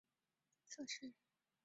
车站型式为地下一层侧式。